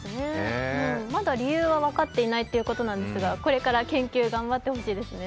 まだ理由は分かっていないということですがこれから研究、頑張ってほしいですね。